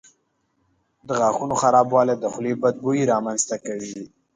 د غاښونو خرابوالی د خولې بد بوی رامنځته کوي.